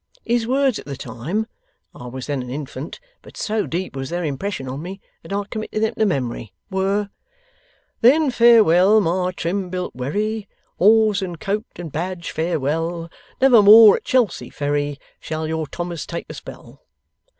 His words at the time (I was then an infant, but so deep was their impression on me, that I committed them to memory) were: Then farewell my trim built wherry, Oars and coat and badge farewell! Never more at Chelsea Ferry, Shall your Thomas take a spell!